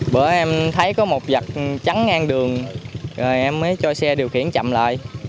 bữa em thấy có một vật trắng ngang đường rồi em mới cho xe điều khiển chậm lại